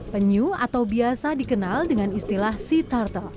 penyu atau biasa dikenal dengan istilah sea tartel